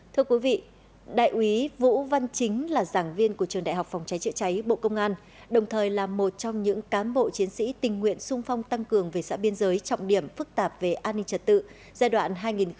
thưa quý vị đại úy vũ văn chính là giảng viên của trường đại học phòng cháy chữa cháy bộ công an đồng thời là một trong những cán bộ chiến sĩ tình nguyện sung phong tăng cường về xã biên giới trọng điểm phức tạp về an ninh trật tự giai đoạn hai nghìn một mươi ba hai nghìn hai mươi